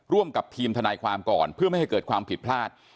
ร่วมกับทีมทนายความก่อนเพื่อไม่ให้เกิดความผิดพลาด